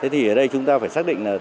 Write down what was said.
thì ở đây chúng ta phải xác định là